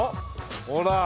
ほら。